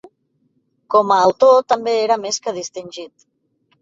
Com a autor també era més que distingit.